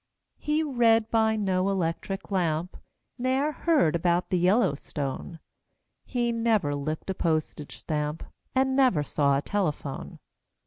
He read by no electric lamp, Ne'er heard about the Yellowstone; He never licked a postage stamp, And never saw a telephone.